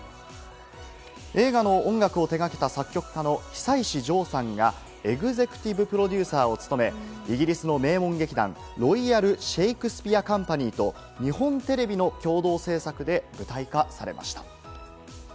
映画の音楽を手がけた作曲家の久石譲さんがエグゼクティブプロデューサーを務め、イギリスの名門劇団ロイヤル・シェイクスピア・カンパニーと日本テレビの共製作で舞台化されました。